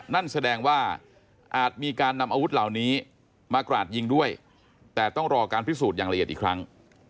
นั่นแสดงว่าอาจมีการนำอาวุธเหล่านี้มากราดยิงด้วยแต่ต้องรอการพิสูจน์อย่างละเอียดอีกครั้ง